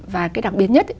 và cái đặc biệt nhất